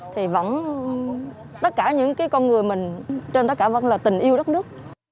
thì vẫn tất cả những cái con người mình trên tất cả vẫn là tình yêu đất nước